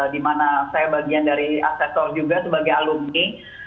di mana saya bagian dari asesor juga sebagai alumni